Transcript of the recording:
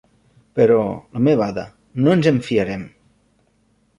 Però, la meva Ada, no ens en fiarem!